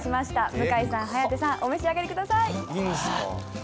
向井さん、颯さん、お召し上がりください。